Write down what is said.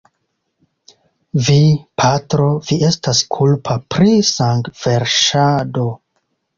Vi, patro, vi estas kulpa pri sangverŝado!